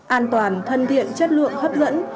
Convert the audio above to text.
an toàn thân thiện chất lượng hấp dẫn